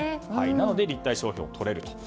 なので、立体商標をとれると。